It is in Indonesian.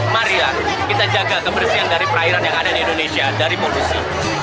maria kita jaga kebersihan dari perairan yang ada di indonesia dari polusi